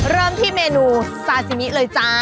เริ่มที่เมนูซาซิมิเลยจ้า